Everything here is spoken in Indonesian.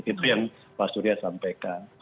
itu yang pak surya sampaikan